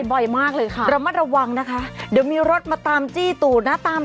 บ่อยมากเลยค่ะระมัดระวังนะคะเดี๋ยวมีรถมาตามจี้ตูดนะตาม